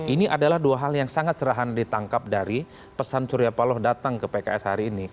ini adalah dua hal yang sangat serahan ditangkap dari pesan surya paloh datang ke pks hari ini